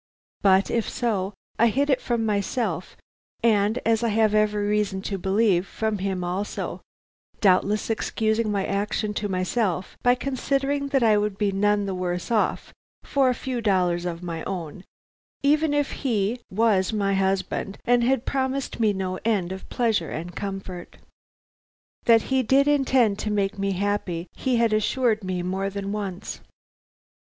But if so, I hid it from myself, and, as I have every reason to believe, from him also, doubtless excusing my action to myself by considering that I would be none the worse off for a few dollars of my own, even if he was my husband, and had promised me no end of pleasure and comfort. "That he did intend to make me happy, he had assured me more than once.